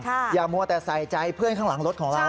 อย่ามัวแต่ใส่ใจเพื่อนข้างหลังรถของเรา